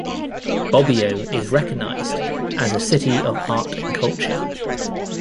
Bobbio is recognized as a "City of Art and Culture".